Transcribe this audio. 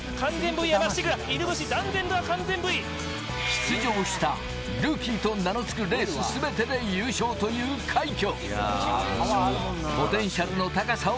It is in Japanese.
出場した「ルーキー」と名のつくレースすべてで優勝という快挙。